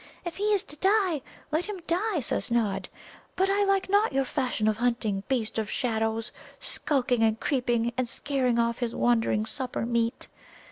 If he is to die, let him die, says Nod. But I like not your fashion of hunting, Beast of Shadows, skulking and creeping and scaring off his wandering supper meat.